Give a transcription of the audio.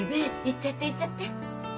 言っちゃって言っちゃって。